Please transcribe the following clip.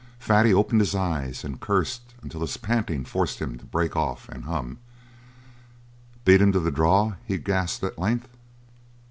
Fatty opened his eyes and cursed until his panting forced him to break off and hum. "Beat him to the draw?" he gasped at length.